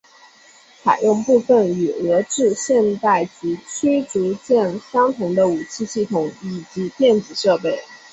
采用部分与俄制现代级驱逐舰相同的武器系统以及电子设备。